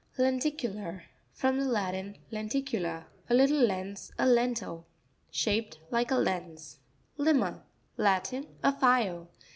Lenti'cutar.—From the Latin, len ticula, a little lens, a _ lentil, Shaped like a lens, Li'ma.—Latin. A file.